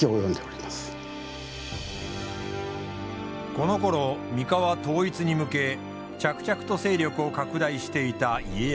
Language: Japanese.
このころ三河統一に向け着々と勢力を拡大していた家康。